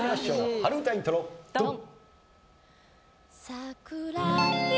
春うたイントロドン！